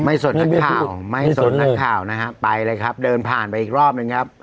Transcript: สนนักข่าวไม่สนนักข่าวนะฮะไปเลยครับเดินผ่านไปอีกรอบหนึ่งครับ